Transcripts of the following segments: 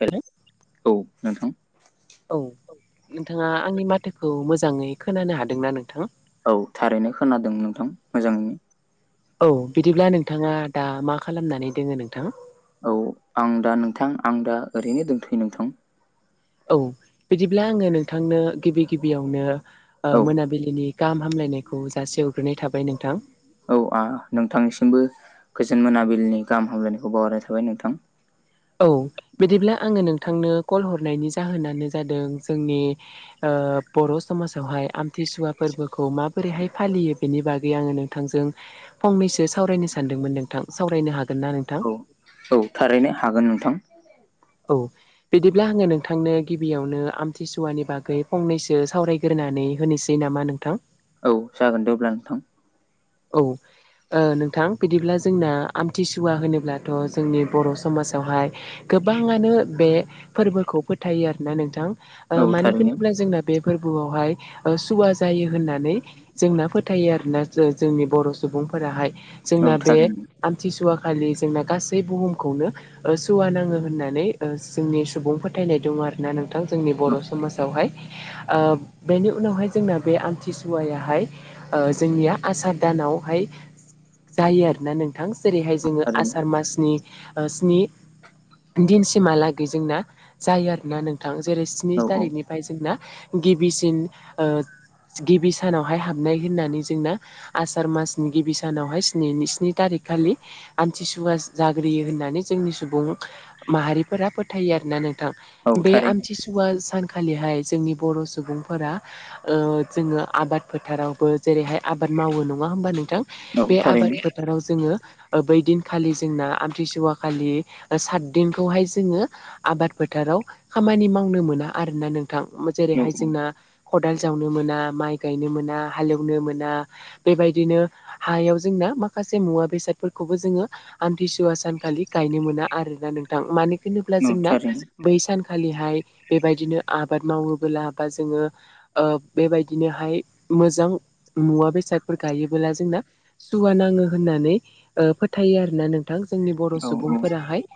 हेल' औ नोंथां औ नोंथांङा आंनि माथोखौ मोजांङै खोनानो हादोंना नोंथां। औ थारैनो खोनादों नोंथां मोजांङैनो। औ बिदिब्ला नोंथांङा दा मा खालामनानै दोङो नोंथां। औ आं दा नोंथां आं दा ओरैनो दंथै नोंथां। औ बिदिब्ला आंङो नोंथांनो गिबि गिबियावनो औ मोनाबिलि दिनै गाहाम हामलायनायखौ जासेवग्रोनाय थाबाय नोंथां। औ आ नोंथांनिसिमबो गोजोन मोनाबिलिनि गाहाम हामलायनायखौ बावहारनाय थाबाय नोंथां। औ बिदिब्ला आंङो नोंथांनो कल हरनायनि जाहोनानो जादों जोंनि ओ बर' समाजावहाय आमथिसुवा फोरबोखौ माबोरैहाय फालियो। बेनि बागै आंङो नोंथांजों फंनैसो सावरायनो सानदोंमोन नोंथां। सावरायनो हागोन ना नोंथां? औ औ थारैनो हागोन नोंथां। औ। बिदिब्ला आंङो नोंथांनो गिबियावनो आमथिसुवानि बागै फंनैसो सावरायग्रोनानै होनोसै। नामा नोंथां [unintelligible] औ जागोन दे अब्ला नोंथां। औ। ओ नोंथां बिदिब्ला जोंना आमथिसुवा होनोब्लाथ' जोंनि बर' समाजावहाय गोबाङानो बे फोरबोखौ फोथायो आरोना नोंथां ओ औ मानो थारैनो होनोब्ला जोंना बे फोरबोआवहाय ओ सुवा जायो होननानै जोंना फोथायो आरोना। जोंनि बर' सुबुंफोराहाय औ जोंना बे थारैनो आमथिसुवा खालि जोंना गासै बुहुमखौनो सुवा नाङो होननानै जोंनि सुबुं फोथायनाय दङ आरो ना नों नथां जोंनि बर' समाजावहाय आ बेनि उनावहाय जोंना बे आमथिसुवायाहाय जोंनिया आसार दानावहाय जायो आरोना नोंथां जेरैहाय जोङो आसार थारैनो मासनि स्नि दिनसिमहालागै जोंना जायो आरोना नोंथां जेरै स्नि औ थारिखनि औ ओमफ्राय जोंना गिबिसिन ओ गिबि सानावहाय हाबनाय होननानै जोंना आसार मासनि गिबि सानावहाय स्नि स्नि तारिख खालि आमथिसुवा जाग्रोयो होननानै जोंनि सुबुं माहारिफोरा फोथायो आरोना नों थां। औ बे थारैनो आमथिसुवा सानखालिहाय जोंनि बर' सुबुंफोरा ओ जोङो आबाद फोथारावबो जेरैहाय आबाद मावो नङा होमबा नोंथां औ बे आबाद थारैनो फोथाराव जोङो बैदिनखालि जोंना आमथिसुवा खालि सातदिनखौहाय जोङो आबाद फोथाराव खामानि मावनो मोना आरोना नों औ जेरैहाय जोंना औ खदाल जावनो मोना माइ गायनो मोना हालेवनो मोन ना बेबायदिनो हायाव जोंना माखासे मुवा बेसादफोरखौबो जोङो आान्थिसुवा सानखालि गायनो मोना आरोना नोंथां मानो होनोब्ला औ जोंना थारैनो बै सानखालिहाय बेबायदिनो आबाद मावोबोला बा जोङो ओ बेबायदिनोहाय मोजां मुवा बेसादफोर गायोबोला जोंना सुवा नाङो होननानै ओ फोथायो आर ना नों थां जोंनि बर' औ औ सुबुंफोराहाय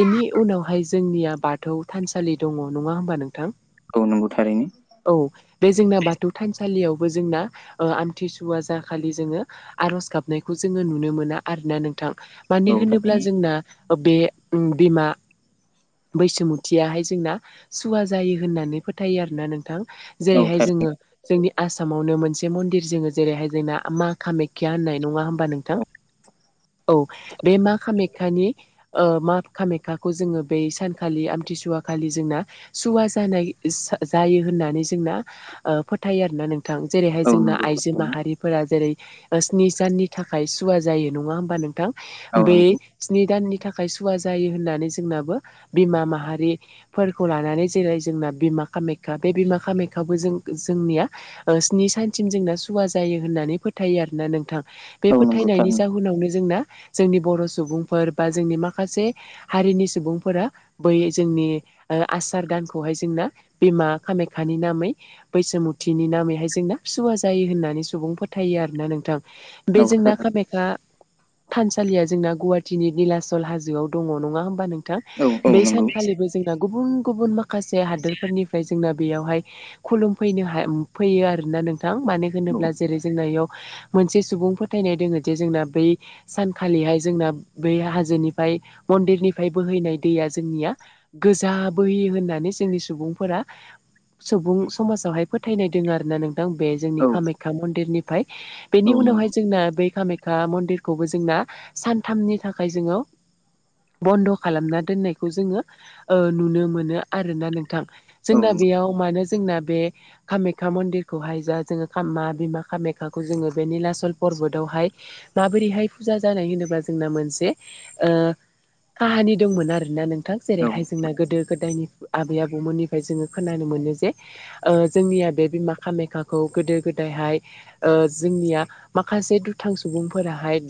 बेनि उनावहाय जोंनिया बाथौ थानसालि दङ नङा होमबा नोंथां औ नंगौ थारैनो। औ बे जोंना बाथौ थानसालियावबो जोंना ओ आमथिसुवा जाखालि जोङो आर'ज गाबनायखौ जोङो नुनो मोनो आरोना नोंथां। मानो औ होनोब्ला थारैनो जोंना बे बिमा बैसुमुथियाहाय जोंना सुवा जायो होननानै फोथायो आरोना नोंथां। औ जेरैहाय जोंङो थारैनो जोंनि आसामावनो मोनसे मोनसे मन्दिर जोंङो जेरैहाय जोंना मा कामाखाख्या होननाय नङा होमबा नोंथां? औ बे मा कामाख्याानि ओ मा कामाख्याखौ जोंङो बै सानखालि आमथिसुवा खालि जोंना सुवा जानाय सा जायो होननानै जोंना ओ फोथायो आर ना नोंथां। जेरै औ जोंना नंगौ आइजो थारैनो माहारिफोरा जेरै स्नि साननि थाखाय सुवा जायो नङा होमबा नोंथां औ बै नंगौ स्नि दाननि थाखाय सुवा जायो होननानै जोंनाबो बिमा माहारि फोरखौ लानानै जेरै जोंना बिमा कामाख्या बे बिमा कामाख्यावबो जों जोंनिया ओ स्नि साइ जोंना सुवा जायो होननानै फोथायो आरोोना नोंथां बे औ नंगौ फोथायनायनि थारैनो जाहोनावनो जोंना जोंनि बर' सुबुंफोर बा जोंनि माखासे हारिनि सुबुंफोरा बै जोंनि ओ आसार दानखौहाय जोंना बिमा खामाख्यानि नामै बैसुमुथिनि नामैहाय जोंना सुवा जायो होननानै सुबुं फोथायो आरोना नोंथां बे औ जोंना थारैनो खामायखा थानसालिया जोंना गुवाहाटिनि निलाचल हाजोआव दङ नङा होमबा नोंथां औ औ बै नंगौ सानखालिबो जों गुबुन गुबुन माखासे हादोरफोरनिफ्राय जोंना बेयावहाय खुलुमफैनो हाम फैयो आरोना नोंथां। मानो औ होनोब्ला जेरै- जोंना बेयाव मोनसे सुबुं फोथायनाय दोंङो जे जोंना बै सानखालिहाय जोंना बै हाजोनिफ्राय मन्दिरनिफ्राय बोहैनाय दैया जोंनिया गोजा बोहोयो होननानै जोंनि सुबुंफोरा सुबुं समाजावहाय फोथायनाय दङ आरोना नों बे जोंनि औ कामाख्या मन्दिरनिफ्राय। औ बेनि नंगौ उनावहाय जोंना बै कामाखया ओ मन्दिरखौबो जोंना सानथामनि थाखाय जोंङो बन्द' खालामना दोननायखौ जोंङो ओ नुनो मोनो आरोना नोंथां। औ जोंना नंगौ बेयाव मानो जोंना बे कामाख्या मन्दिर खौहाय जा जोंङो खामा बिमा खामायाखाखौ जोंङो बे निलाचल पबोतआवहाय माबोरैहाय फुजा जानाय होनोब्ला जोंना मोनसे ओ काहानि दंमोन आरोना नोंथां। जेरैहाय जोंना गोदो गोदायनि आबै आबौमोननिफ्राय जोंङो खोनानो मोनो जे ओ जोंनिया बे बिमा खामायख्खाखौ गोदो गोदायहाय ओ जोंनिया माखासे दुथां सुबुंफोराहाय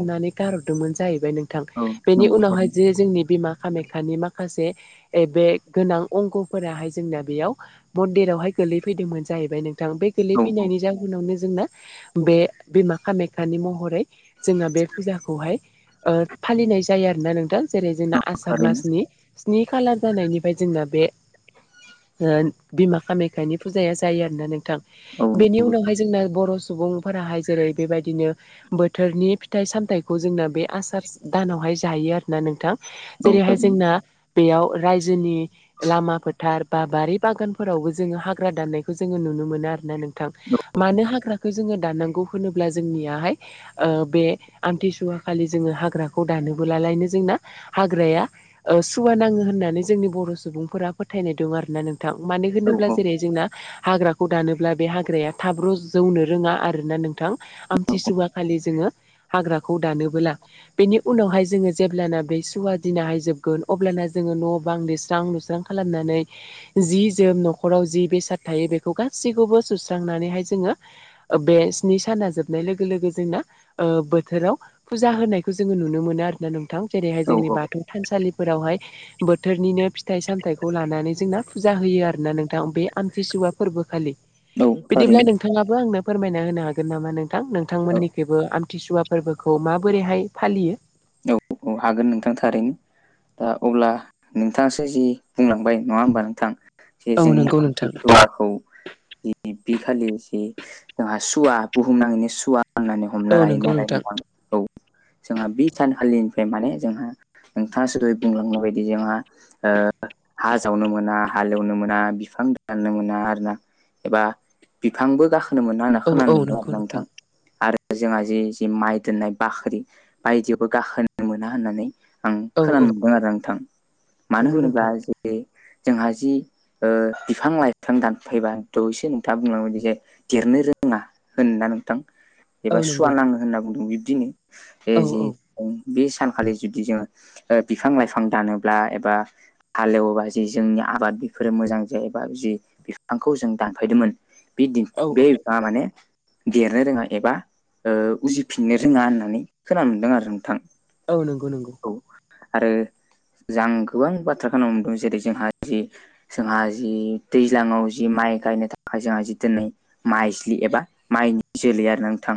औ गारहरदोंमोन जाहैबाय नोंथां। औ बेनि नंगौ उनावहाय थारैनो जे जोंनि बिमा खामायख्खानि माखासे ओयै बे गोनां अंगफोराहाय जोंना बेयाव मन्दिरावहाय गोलै फैदोंमोन। जाहैबाय नोंथां। बे औ गोलैफैनायनि जााहोनावनो जोंना बे बिमा खामाख्याानि महरै जोंहा बे फुजाखौहाय ओ फालिनाय जायो आरोना नोंथां। जेरै जोंना औ आसार थारैनो मासनि स्नि खालार जानायनिफ्राय जोंना बे ओ बिमा कामाय्खानि फुजाया जे जायो आरोना नोंथां। औ बेनि नंगौ उनावहाय जोंना बर' सुबुंफोराहाय जेरै बेबायदिनो बोथोरनि फिथाइ सामथायाइखौ जोंना बे आसार दानावहाय जायो आरोना नोंथां। औ जेरैहाय थारैनो जोंना बेयाव रायजोनि लामा फोथार बा बारि बागानफोरावबो जोंङो हाग्रा दानाय खौ जोंङो नुनो मोनो आरोना नोंथां। मानो हाग्राखौ जोंङो दाननांगौ होनोब्ला जोंनियाहाय ओ बे आमथिसुवा खालि जोंङो हाग्राखौ दानोबोलालायनो जोंना हाग्राया सुवा नांङो होननानै जोंनि बर' सुबुंफोरा फोथायनाय दं आर ना नों थां मानो औ होनोब्ला जेरै जोंना हाग्राखौ दानोब्ला बे हाग्राया थाब रौ जौनो रोङा आरोना नोंथां। आमथिसुवा खालि जोंङो हाग्राखौ दानोबोला बेनि उनावहाय जोंङो जेलाना बे सुवा दिनाहाय जोबगोन अब्ला जोंङो न' बां लिरस्रां लुस्रां खालामनानै जि जोम न'खराव जि बेसाद थायो बेखौ गासैखौबो सुस्रांनानैहाय जोङो। बे स्नि साना जोबनाय लोगो लोगो जोंना बोथोराव फुजा होनायखौ जोङो नुनो मोनो आरोना नोंथां। जेरैहाय औ जोंनि बाथौ थानसालिफोरावहाय बोथोरनिनो फिथाइ सामथायाइखौ लानानै जोंना फुजा होयो आरोना नोंथां। बे आम थ्रिसुवा फोरबो खालि। औ औ बिदिब्ला थारैनो नोंथाङाबो आंनो फोरमायना होनो हागोन नामा नोंथां? थां औ नोंथांमोननिखैबो आमथिसुवा फोरबोखौ माबोरैहाय फालियो औ औ हागोन नोंथां थारैनो। दा अब्ला नोंथाङासो जि बुंलांबाय नङा होमबा नोंथां जे औ जों नंगौ नोंथां [unintelligible] बि खालि जि जोंहा सुवा बुहुमनाङैनो सुवा होननानै औ हमना लायो नंगौ नालाय नोंथां। औ जोंहा बे सानखालिनिफ्राय माने जोंहा नोंथाङा जेरैयै बुंलांनाय बायदि जोंहा ओ हा जावनो मोना, हालेवनो मोना, बिफां दाननो मोना, आरो ना। एबा बिफांबो गाखोनो मोनना होनना औ औ खोनानो मोनदों आरो नंगौ ना नोंथां। आरो जोंहा जि जि माइ दोननाय बाख्रि बायदियावबो गाखोनो मोना होननानै आं औ औ खोनानो मोनदों आरो नोंथां। मानो नंगौ होनोब्ला नोंथां जे जोंहा जि बिफां लाइफां दानफायबा थ' एसे नोंथाङा बुंलांबाय जे देरनो रोङा होनो ना नोंथां औ एबा सुवा नंगौ नाङो होनना बुंदों बिब्दिनो औ जे बे सानखालि जुदि जोङो बिफां लाइफां दानोब्ला एबा हालेवबा जि जोंनि आबाद बेफोरो मोजां जायोबा जि बिफांखौ जों दानफायदोंमोन औ बे दा माने देरनो रोङा एबा उजिफिननो रोङा होननानै खोनानो मोनदों आरो। नोंथां। औ नंगौ नंगौ। आरो आं गोबां बाथ्रा खोनानो मोनदों जेरै जोंहा जि जोंहा जि दैज्लाङाव जि माइ गायनो थाखाय जोंहा जि दोनै माइज्लि एबा माइनि जोलै आरोना नोंथां।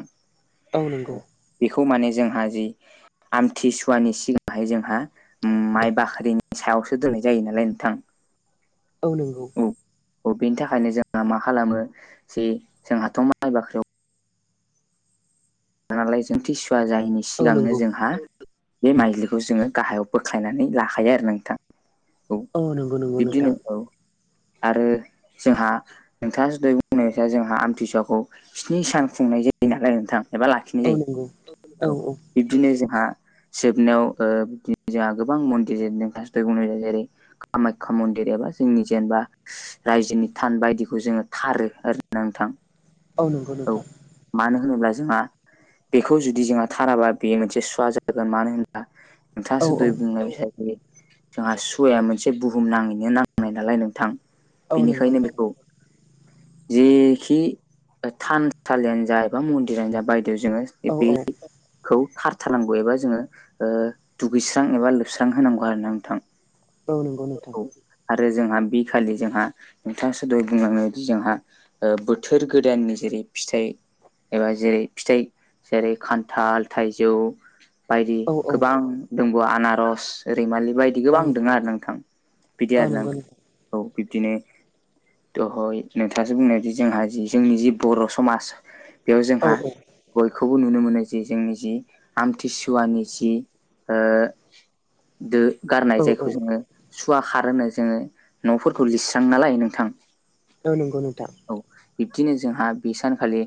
औ नंगौ। बेखौ माने जोंहा जि आमथिसुवानि सिगाङावहाय जोंहा माइ बाख्रिनि सायावसो दोननाय जायो नालाय नोंथां। औ नंगौ। औ बेनि थाखायनो जोंहा मा खालामो जे जोंहाथ' माइ बाख्रियाव नालाय जों थिसुवा जायैनि औ सिगांनो नंगौ जोंहा बे माइलिखौ जोङो गाहायाव बोख्लायनानै लाखायो आरो नोंथां। औ नंगौ नंगौ नोंथां बिब्दिनो औ आरो जोंहा नोंथाङा दहै बुंनाय बायसा जोंहा आमथिसुवखौ स्नि सान खुंनाय जायो नालाय नोंथां। एबा लाखिनाय औ नंगौ जायो। औ बिबदिनो जोंहा जोबनायाव बि जोंहा गोबां मन्दि [unintelligible] बुंनाय जायो जेरै कामाख्या मन्दिर एबा जोंनि जेनेबा रायजोनि थान बायदिखौ जोङो थारो आरो नोंथां। औ नंगौ नोंथां। मानो होनोब्ला जोंहा बेखौ जुदि जोंहा थाराबा बे मोनसे सुवा जागोन मानो होनब्ला औ नोंथाङासो औ दहै बुंनाय जोंहा सुवाया मोनसे बुहुम नाङैनो नांनाय नालाय नोंथां। औ नंगौ बेनिखायनो नोंथां बेखौ जेखि थानसालियानो जा एबा मन्दिरानो जा बायदियाव जोङो औ बे औ। खौ खारथारनांगौ एबा जोङो दुगैस्रां एबा लोबस्रां होनांगौ आरोना नोंथां। औ नंगौ नोंथां। औ आरो जोंहा बे खालि जोंहा नोंथांसो दहै बुंलांनाय बायदि जोंहा बोथोर गोदाननि जेरै फिथाइ एबा जेरै फिथाइ जेरै खान्थाल थाइजौ बायदि औ औ गोबां दंबावो आनारस, रैमालि बायदि औ गोबां दङ नंगौ आरो नोंथां। बिदि औ आरोना। नंगौ नोंथां औ बिब्दिनो। दहै नोंथाङासो बुंनायदि जोंहा जि जोंनि जि बर' समाज बेयाव औ जोंहा औ बयखौबो नुनो मोनो जे जोंनि जि आमथिसुवानि जि ओ दो गारनाय औ औ जायखौ जोङो। सुवा खार होनो जोङो न'फोरखौ लिरस्रां नालाय नोंथां। औ नंगौ नोंथां। औ बिब्दिनो जोंहा बे सानखालि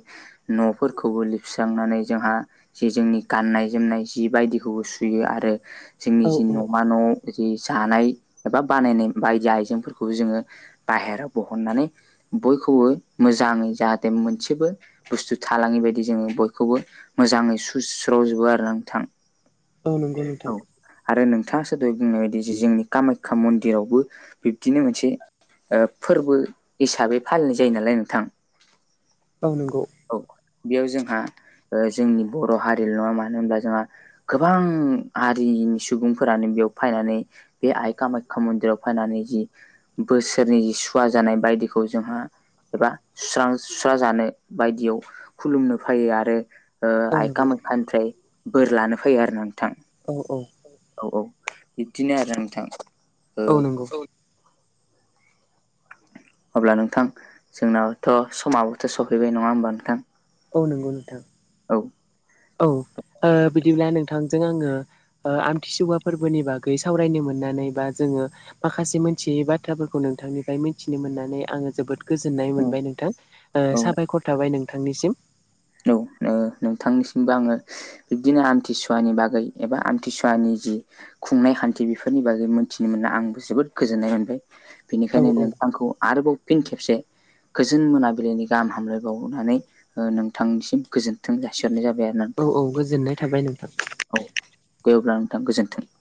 न'फोरखौबो लिरस्रांनानै जोंहा जे जोंनि गाननाय जोमनाय जि बायदिखौबो सुयो आरो जोंनि औ जि औ न'मा न' जि जानाय एबा बानायनाय बायदि आइजेंफोरखौबो जोङो बाहेराव बहननानै बयखौबो मोजाङै जाहाथे मोनसेबो बुस्थु थालाङि बायदि जोङो बयखौबो मोजाङै सुस्रजोबो आरो ना नोंथां। औ नंगौ औ नोंथां। आरो नोंथाङासो दहै बुंनाय बायदि जि जोंनि कामाख्या मन्दिरावबो बिब्दिनो मोनसे ओ फोरबो हिसाबै फालिनाय जायो नालाय नोंथां। औ नोंगौ। औ बेयाव जोंहा ओ जोंनि बर' हारिल' नङा मानो होनब्ला जोंहा गोबां हारिनि सुबुंफोरानो बेयाव फायनानै बे आय कामाख्या मन्दिराव फायनानै जि बोसोरनि जि सुवा जानाय बायदिखौ जोंहा एबा सुस्रां सुस्रा जानो बायदियाव खुलुमनो फैयो आरो ओ औ आइ नंगौ कामाख्या निफ्राय बोर लानो फैयो आरो ना नोंथां। औ औ। औ औ बिदिनो आरो नोंथां। ओ औ अब्ला नोंथां जोंनावथ' समाबोथ' सफैबाय नङा होमबा नोंथां? औ नोंगौ नोंथां। औ। औ। ओ बिदिब्ला नोंथांजों आङो ओ आमथिसुवा फोरबोनि बागै सावरायनो मोननानै, बा जोङो माखासे मोन्थियै बाथ्राफोरखौ नोंथांनिफ्राय मिथिनो मोननानै आङो जोबोद गोजोन्नाय औ मोनबाय नोंथां। ओ साबायखर थाबाय नोंथांनिसिम। औ। ओ नोंथांनिसिमबो आङो बिब्दिनो आमथिसुवानि बागै एबा आमथिसुवानि जि खुंनाय खान्थि बिफोरनि बागै मोन्थिनो मोनना आंबो जोबोद गोजोननाय मोनबाय। औ बिनिखायनो औ नोंथांखौ आरोबाव फिन खेबसे गोजोन मोनाबिलिनि गाहाम हामलायबावनानै ओ नों थांनिसिम गोजोन्थों जासिहरनाय जाबाय आरो औ नोंथां औ गोजोननाय थाबाय नोंथां। औ। अब्ला नोंथां गोजोन्थों ।